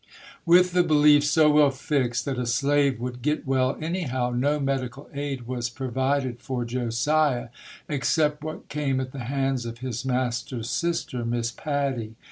With the belief so well fixed that a slave would get well anyhow, no medical aid was provided for Josiah except what came at the hands of his mas ter's sister, Miss Patty.